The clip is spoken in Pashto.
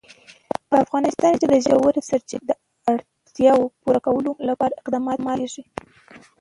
په افغانستان کې د ژورې سرچینې د اړتیاوو پوره کولو لپاره اقدامات کېږي.